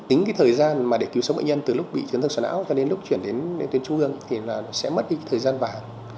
tính thời gian để cứu sống bệnh nhân từ lúc bị trấn thật xóa não cho đến lúc chuyển đến tuyến trung ương thì sẽ mất đi thời gian vàng